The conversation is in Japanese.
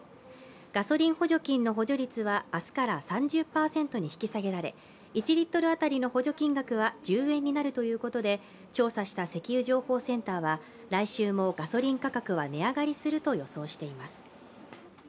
ガソリン補助金の補助率は明日から３０％に引き下げられ、１リットル当たりの補助金額は１０円になるということで、調査した石油情報センターは、来週もガソリン価格は値上がりすると予想しています。